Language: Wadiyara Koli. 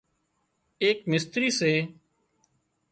ايڪ مستري سي